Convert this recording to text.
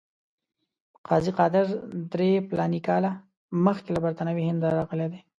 قاضي قادر درې فلاني کاله مخکې له برټانوي هند راغلی وو.